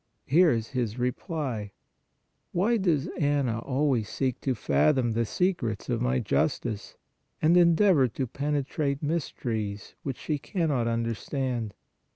Here is His reply : Why does Anna always seek to fathom the secrets of My justice, and endeavor to penetrate mysteries which she cannot under stand?